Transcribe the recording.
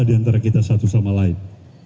diantara kita satu sama lain